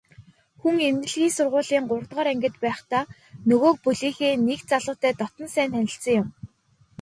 Хүн эмнэлгийн сургуулийн гуравдугаар ангид байхдаа нөгөө бүлгийнхээ нэг залуутай дотно сайн танилцсан юм.